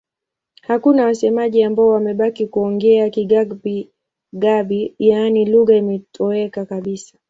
Hakuna wasemaji ambao wamebaki kuongea Kigabi-Gabi, yaani lugha imetoweka kabisa.